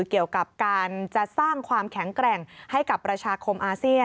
เกี่ยวกับการจะสร้างความแข็งแกร่งให้กับประชาคมอาเซียน